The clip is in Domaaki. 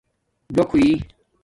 ڈݸک ہوئ